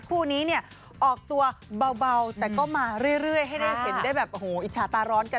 คู่นี้เนี่ยออกตัวเบาแต่ก็มาเรื่อยให้ได้เห็นได้แบบโอ้โหอิจฉาตาร้อนกัน